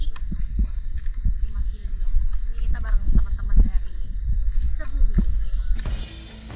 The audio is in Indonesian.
ini kita bareng teman teman dari sebumi